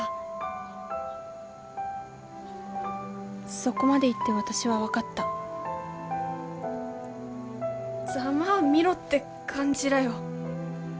そこまで言って私は分かったざまあ見ろって感じらよ。